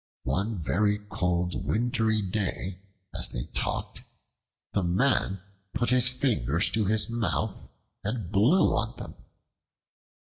One very cold wintry day, as they talked, the Man put his fingers to his mouth and blew on them.